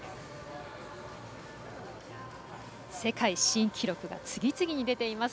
世界新記録が次々と出ています